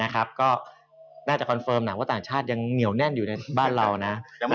ก็น่าจะคอนเฟิร์มหนังว่าต่างชาติยังเหนียวแน่นอยู่ในบ้านเรานะ